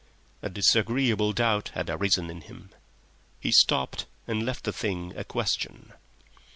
A disagreeable doubt had arisen in him. He stopped and left the thing a question.